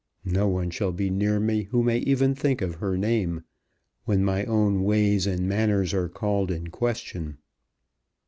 No one shall be near me who may even think of her name when my own ways and manners are called in question."